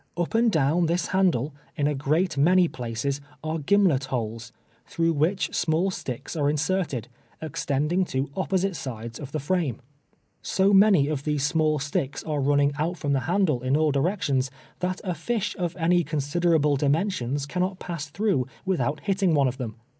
Up and down this handle, in a great many places, are gimlet holes, through which small sticks are inserted, extending to opposite sides of the frame. So many of these small sticks are running out from the handle in all direc tions, tliat a ii^li of any considerable dimensions can not pass through without hitting one of them.